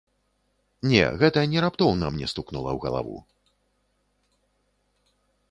Не, гэта не раптоўна мне стукнула ў галаву.